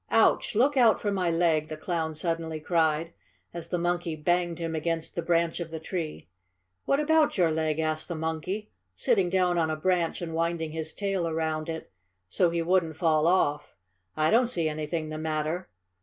Ouch! Look out for my leg!" the Clown suddenly cried, as the monkey banged him against a branch of the tree. "What about your leg?" asked the monkey, sitting down on a branch and winding his tail around it so he wouldn't fall off. "I don't see anything the matter."